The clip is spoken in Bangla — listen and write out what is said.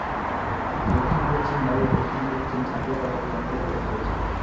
দক্ষিণ-পশ্চিম বায়ু দক্ষিণ-পশ্চিম সার্বিয়ার পার্বত্য অঞ্চলে বিরাজ করছে।